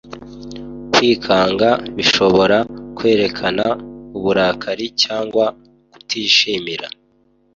Kwikanga bishobora kwerekana uburakari cyangwa kutishimira.